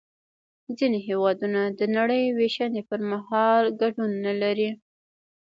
ځینې هېوادونه د نړۍ وېشنې پر مهال ګډون نلري